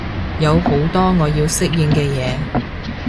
有好多我要適應嘅嘢